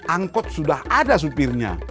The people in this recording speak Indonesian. angkot sudah ada supirnya